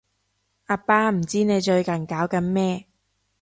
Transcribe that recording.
阿爸唔知你最近搞緊咩